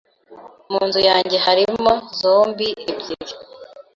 Mu nzu yanjye harimo zombie ebyiri.